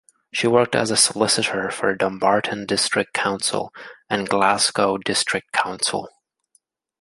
She worked as a solicitor for Dumbarton District Council and Glasgow District Council.